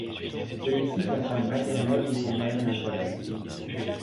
Celui-ci comprend une maternelle, une primaire et un collège.